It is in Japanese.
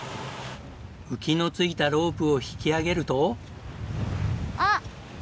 浮きの付いたロープを引き上げると。